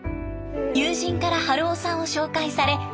友人から春生さんを紹介され一目ぼれ。